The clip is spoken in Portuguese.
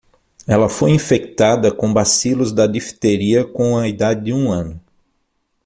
Ela foi infectada com bacilos da difteria com a idade de um ano.